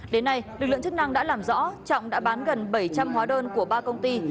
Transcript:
đến nay lực lượng chức năng đã làm rõ trọng đã bán gần bảy trăm linh hóa đơn của ba công ty